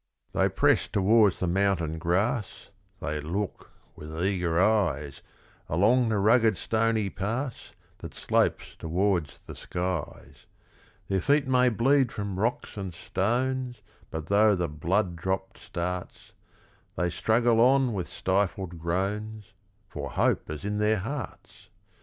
They press towards the mountain grass, They look with eager eyes Along the rugged stony pass, That slopes towards the skies; Their feet may bleed from rocks and stones, But though the blood drop starts, They struggle on with stifled groans, For hope is in their hearts.